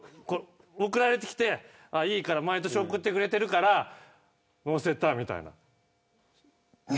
送られてきて毎年送ってくれてるから載せたみたいな。